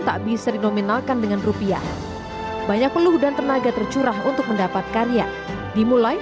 tak bisa dinominalkan dengan rupiah banyak peluh dan tenaga tercurah untuk mendapat karya dimulai